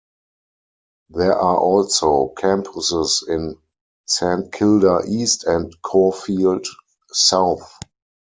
There are also campuses in Saint Kilda East and Caulfield South.